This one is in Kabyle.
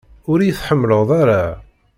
Ur iyi-tḥemmleḍ ara.